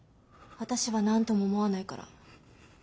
私は何とも思わないから。